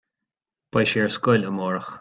Beidh sé ar scoil amárach